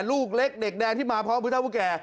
ลูกเล็กเด็กแดงที่มาพร้อมผู้เท่าผู้แก่